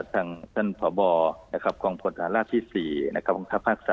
ท่านผบกรงพลธรรมที่๔ทัพภาค๓